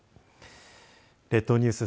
列島ニュース